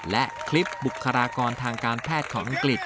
และคลิปบุคลากรทางการแพทย์ของอังกฤษ